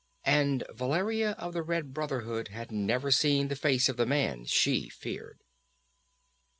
And Valeria of the Red Brotherhood had never seen the face of the man she feared.